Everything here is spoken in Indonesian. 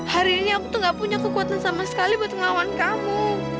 hari ini aku tuh gak punya kekuatan sama sekali buat ngelawan kamu